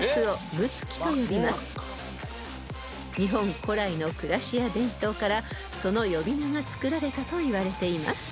［日本古来の暮らしや伝統からその呼び名が作られたといわれています］